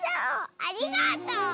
ありがとう！